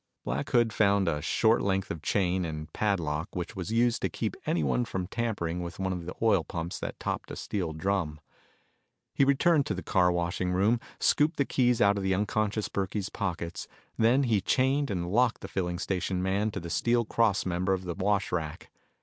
Black Hood found a short length of chain and a padlock which was used to keep anyone from tampering with one of the oil pumps that topped a steel drum. He returned to the car washing room, scooped the keys out of the unconscious Burkey's pockets. Then he chained and locked the filling station man to the steel cross member of the wash rack.